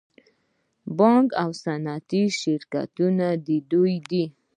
بانکونه او صنعتي شرکتونه د دوی دي